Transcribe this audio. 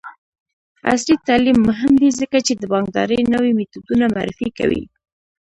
عصري تعلیم مهم دی ځکه چې د بانکدارۍ نوې میتودونه معرفي کوي.